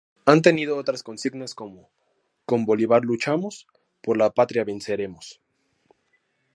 Han tenido otras consignas como ""Con Bolívar Luchamos, Por La Patria ¡¡¡Venceremos!!!